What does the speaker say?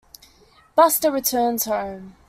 Buster returns home.